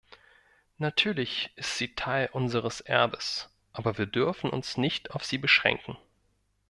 Natürlich ist sie Teil unseres Erbes, aber wir dürfen uns nicht auf sie beschränken.